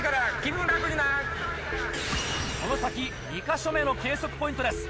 この先２か所目の計測ポイントです。